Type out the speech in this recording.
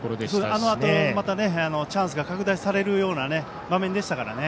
あのあとまたチャンスが拡大されるような場面でしたからね。